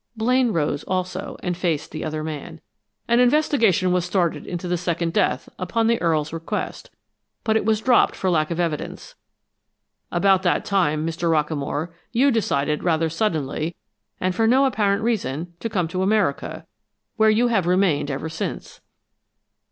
Blaine rose also and faced the other man. "An investigation was started into the second death, upon the Earl's request, but it was dropped for lack of evidence. About that time, Mr. Rockamore, you decided rather suddenly, and for no apparent reason, to come to America, where you have remained ever since."